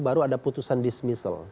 baru ada putusan dismissal